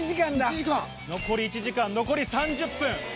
残り１時間残り３０分。